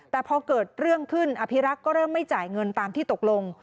แต่พอเกิดเรื่องขึ้นอภิรักษ์ก็เริ่มไม่จ่ายเงินตามที่ตกลง